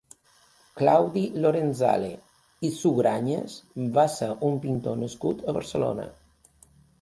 Claudi Lorenzale i Sugrañes va ser un pintor nascut a Barcelona.